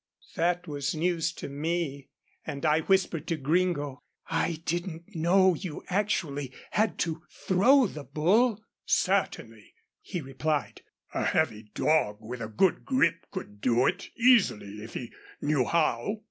That was news to me, and I whispered to Gringo, "I didn't know you actually had to throw the bull." "Certainly," he replied, "a heavy dog with a good grip could do it easily, if he knew how."